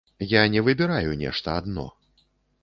Я не выбіраю нешта адно.